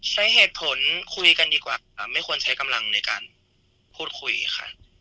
ใช้เหตุผลคุยกันดีกว่าไม่ควรใช้กำลังในการพูดคุยค่ะ